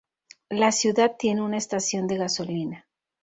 La ciudad tiene una estación de gasolina.